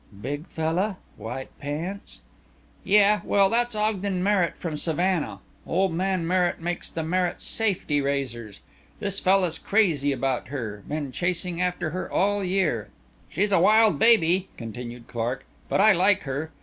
"Big fella? White pants?" "Yeah. Well, that's Ogden Merritt from Savannah. Old man Merritt makes the Merritt safety razors. This fella's crazy about her. Been chasing after her all year. "She's a wild baby," continued Clark, "but I like her.